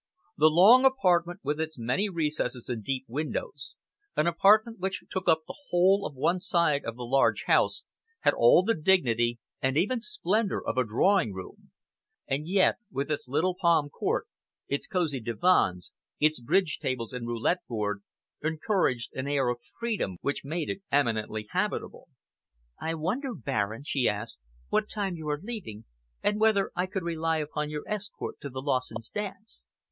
The long apartment, with its many recesses and deep windows, an apartment which took up the whole of one side of the large house, had all the dignity and even splendour of a drawing room, and yet, with its little palm court, its cosy divans, its bridge tables and roulette board, encouraged an air of freedom which made it eminently habitable. "I wonder, Baron," she asked, "what time you are leaving, and whether I could rely upon your escort to the Lawsons' dance?